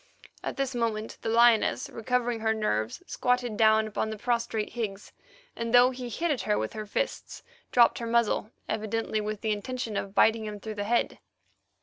At this moment the lioness, recovering her nerves, squatted down on the prostrate Higgs, and though he hit at her with his fists, dropped her muzzle, evidently with the intention of biting him through the head.